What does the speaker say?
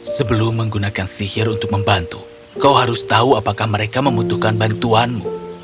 sebelum menggunakan sihir untuk membantu kau harus tahu apakah mereka membutuhkan bantuanmu